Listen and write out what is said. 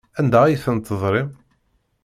Anda ay ten-tedrim?